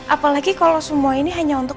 apalagi kalau semua ini hanya untuk